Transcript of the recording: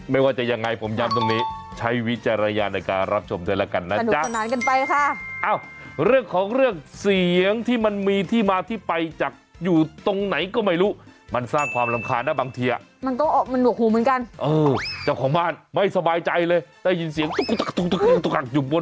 เห็นจิ๊กจุกเห็นอะไรอย่างนี้มีเลขในใจไหม